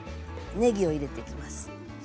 ねぎを入れていきます。